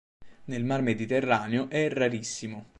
Nel mar Mediterraneo è rarissimo.